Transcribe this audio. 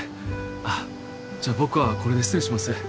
あっじゃあ僕はこれで失礼します。